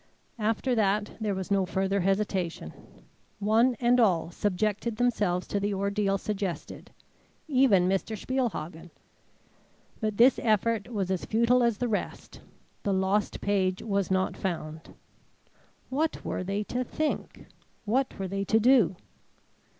After that there was no further hesitation. One and all subjected themselves to the ordeal suggested; even Mr. Spielhagen. But this effort was as futile as the rest. The lost page was not found. What were they to think? What were they to do?